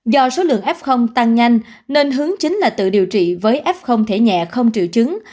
do số lượng f tăng nhanh nên hướng chính là tự điều trị với f thể nhẹ không triệu chứng